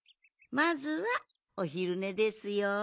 まずはおひるねですよ。